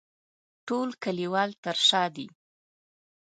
ټول کلیوال تر شا دي.